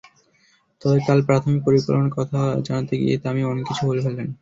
তবে কাল প্রাথমিক পরিকল্পনার কথা জানাতে গিয়েই তামিম অনেক কিছু বলে ফেললেন।